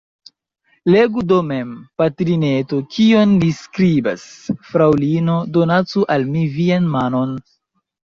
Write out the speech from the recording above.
Legu do mem, patrineto, kion li skribas: « Fraŭlino, donacu al mi vian manon!